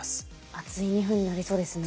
熱い２分になりそうですね。